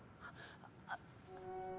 あっ。